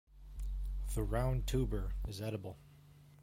The round tuber is edible.